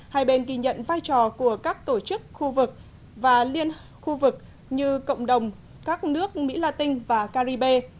hai bên ghi nhận vai trò của các tổ chức khu vực và liên khu vực như cộng đồng các nước mỹ la tinh và caribe